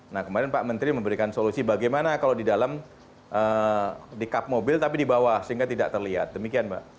nah kemarin pak menteri memberikan solusi bagaimana kalau di dalam di cup mobil tapi di bawah sehingga tidak terlihat demikian mbak